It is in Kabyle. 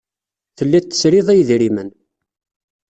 Telliḍ tesriḍ i yedrimen.